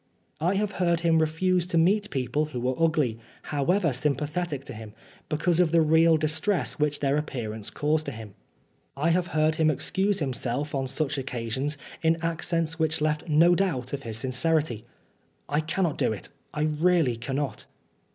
I have heard him refuse to meet people who were ugly, however sympathetic to him, because of the real distress which their appearance caused to him. I have heard him excuse himself on such occasions in accents which left no doubt of his 55 Oscar Wilde sincerity. " I cannot do it I really can not."